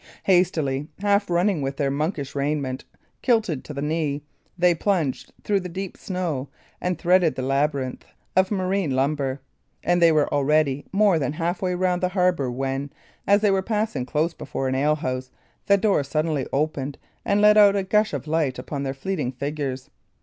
Hastily, half running, with their monkish raiment kilted to the knee, they plunged through the deep snow and threaded the labyrinth of marine lumber; and they were already more than half way round the harbour when, as they were passing close before an alehouse, the door suddenly opened and let out a gush of light upon their fleeting figures.